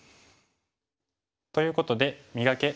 ということで「磨け！